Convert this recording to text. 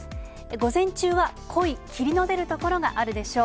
午前中は濃い霧の出る所があるでしょう。